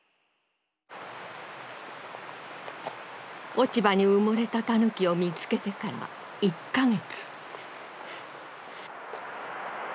落ち葉に埋もれたタヌキを見つけてから１か月。